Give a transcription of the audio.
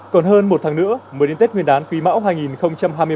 còn hơn một tháng nữa mới đến tết nguyên đán quý mão hai nghìn hai mươi ba